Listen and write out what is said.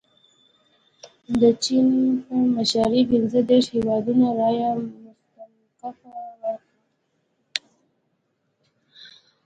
د چین په مشرۍ پنځه دېرش هیوادونو رایه مستنکفه ورکړه.